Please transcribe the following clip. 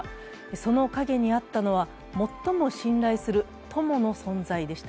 その陰にあったのは、最も信頼する友の存在でした。